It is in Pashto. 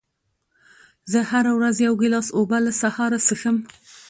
زه هره ورځ یو ګیلاس اوبه له سهاره څښم.